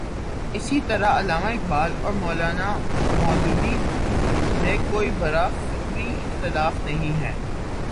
اسی طرح علامہ اقبال اور مو لا نا مو دودی میں کوئی بڑا فکری اختلاف نہیں ہے۔